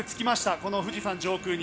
この富士山上空に。